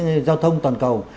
các giao thông toàn cầu